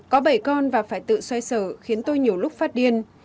có bảy con và phải tự xoay sở khiến tôi nhiều lúc phát điên